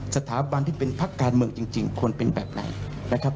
สถาบันที่เป็นพักการเมืองจริงควรเป็นแบบไหนนะครับ